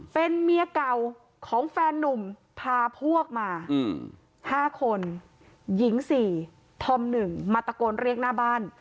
เป็นเมียเก่าของแฟนนุ่มพาพวกมา๕คนหญิง๔ธอม๑มาตะโกนเรียกหน้าบ้าน